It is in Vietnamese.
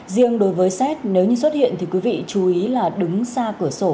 riêng đối với xét nếu như xuất hiện thì quý vị chú ý là đứng xa cửa sổ